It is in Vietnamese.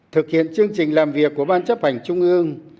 thực hiện chương trình làm việc của ban chấp hành trung ương